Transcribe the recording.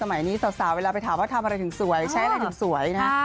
สมัยนี้สาวเวลาไปถามว่าทำอะไรถึงสวยใช้อะไรถึงสวยนะ